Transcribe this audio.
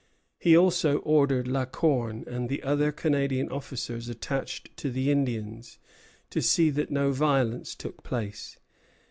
He also ordered La Corne and the other Canadian officers attached to the Indians to see that no violence took place.